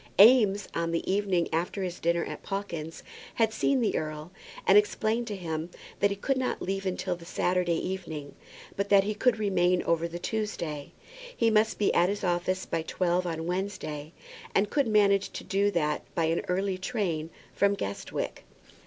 Eames, on the evening after his dinner at Pawkins's, had seen the earl, and explained to him that he could not leave town till the Saturday evening; but that he could remain over the Tuesday. He must be at his office by twelve on Wednesday, and could manage to do that by an early train from Guestwick.